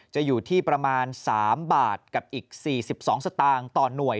อยู่ที่ประมาณ๓บาทกับอีก๔๒สตางค์ต่อหน่วย